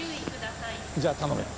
じゃあ頼むよ。